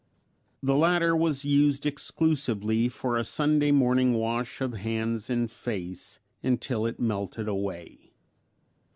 The latter was used exclusively for a Sunday morning wash of hands and face until it melted away.